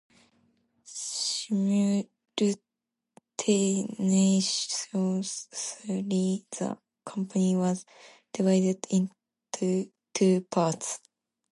Simultaneously the company was divided into two parts.